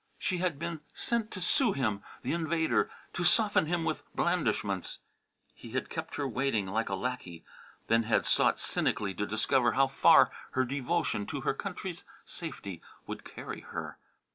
She had been sent to sue him, the invader, to soften him with blandishments. He had kept her waiting like a lackey, then had sought cynically to discover how far her devotion to her country's safety would carry her.